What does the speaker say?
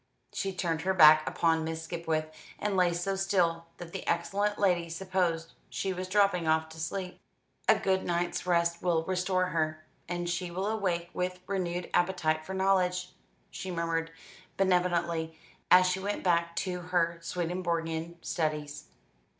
She turned her back upon Miss Skipwith, and lay so still that the excellent lady supposed she was dropping off to sleep. "A good night's rest will restore her, and she will awake with renewed appetite for knowledge," she murmured benevolently as she went back to her Swedenborgian studies.